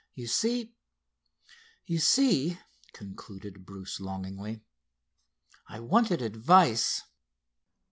You see—you see," concluded Bruce longingly, "I wanted advice."